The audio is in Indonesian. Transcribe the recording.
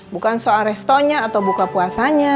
bukan soal restonya atau buka puasanya